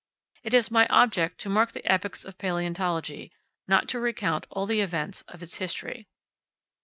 It is my object to mark the epochs of palaeontology, not to recount all the events of its history.